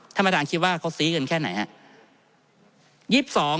ถ้าประธานคิดว่าเขาซี้เงินแค่ไหน